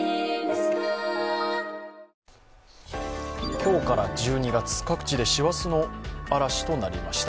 今日から１２月、各地で師走の嵐となりました。